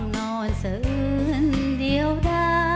จิ๊บช้ำจริง